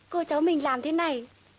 cô cháu mình làm thế này